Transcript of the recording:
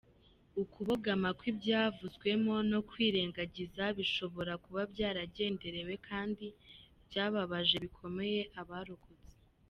Ukubogama kw’ibyavuzwemo no kwirengagiza bishobora kuba byaragenderewe, kandi byababaje bikomeye abarokotse.